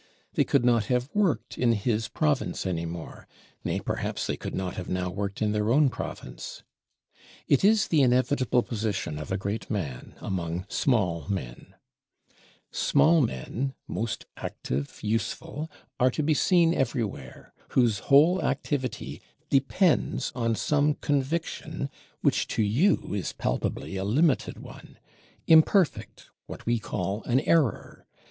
They could not have worked in his province any more; nay perhaps they could not have now worked in their own province. It is the inevitable position of a great man among small men. Small men, most active, useful, are to be seen everywhere, whose whole activity depends on some conviction which to you is palpably a limited one; imperfect, what we call an error.